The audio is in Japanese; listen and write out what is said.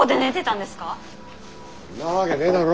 んなわけねえだろ。